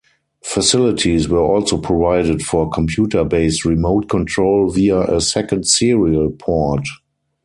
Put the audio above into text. Facilities were also provided for computer-based remote control via a second serial port.